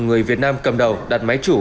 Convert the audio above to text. người việt nam cầm đầu đặt máy chủ